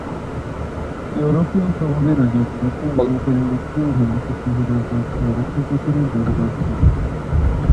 ইউরোপীয় প্রভাবের আগে ভারতীয় অলঙ্কারে মসৃণ ধারবিশিষ্ট হীরার পাত ও রত্নপাথরের ব্যবহার ছিল।